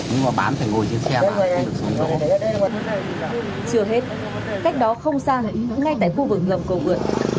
chừa hết cách đó không xa ngay tại khu vực lập cầu vượn